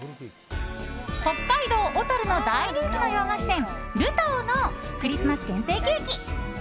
北海道小樽の大人気の洋菓子店ルタオのクリスマス限定ケーキ。